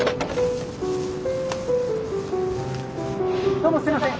どうもすいません。